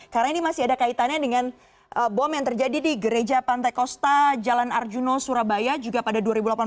karena ini masih ada kaitannya dengan bom yang terjadi di gereja pantai kosta jalan arjuna surabaya juga pada dua ribu delapan belas